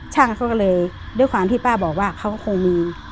ช่างเขาก็เลยด้วยความที่ป้าบอกว่าเขาก็คงมี